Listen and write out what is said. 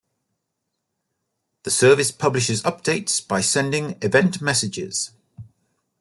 The service publishes updates by sending event messages.